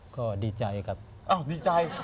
ก็ดีใจครับอ้าวดีใจ